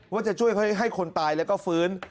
ว่าจะช่วยให้คนตายแล้วก็ฟื้น